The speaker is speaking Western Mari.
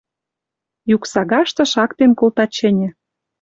Юк сагашты шактен колта чӹньӹ: